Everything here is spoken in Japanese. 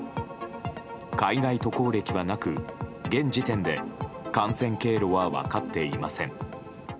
海外渡航歴はなく現時点で感染経路は分かっていません。